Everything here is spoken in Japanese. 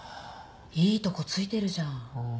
いいとこ突いてるじゃん。